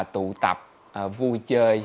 tụ tập vui chơi